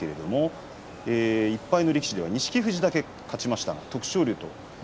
１敗の力士では錦富士だけ勝ちました。